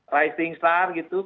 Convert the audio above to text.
rising star gitu